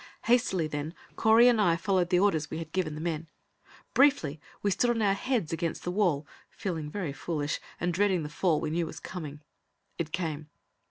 Hastily, then, Correy and I followed the orders we had given the men. Briefly we stood on our heads against the wall, feeling very foolish, and dreading the fall we knew was coming. It came.